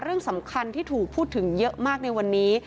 เรื่องสำคัญที่ถูกพูดถึงเยอะมากในวันนี้